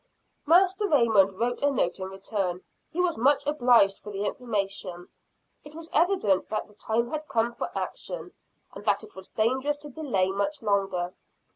Master Raymond wrote a note in return. He was much obliged for the information. It was evident that the time had come for action; and that it was dangerous to delay much longer.